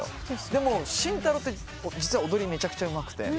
でも慎太郎って実は踊りめちゃくちゃうまくて。